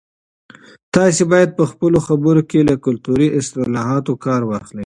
تاسي باید په خپلو خبرو کې له کلتوري اصطلاحاتو کار واخلئ.